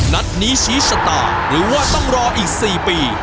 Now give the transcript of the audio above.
นัดนี้ชี้ชะตาหรือว่าต้องรออีก๔ปี